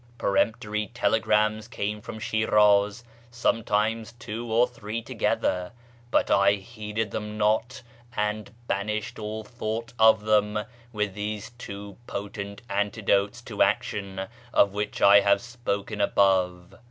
Peremptory telegrams came from Shiraz, sometimes two or three together, but I heeded them not, and banished all thought of them with these two potent antidotes to action of which I have spoken above.